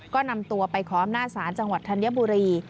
ก็นำตัวไปขออำนาจศาลจังหวัดธัญบุรี